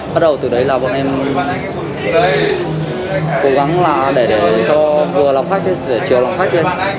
bắt đầu từ đấy là bọn em cố gắng để cho vừa lòng khách để chiều lòng khách lên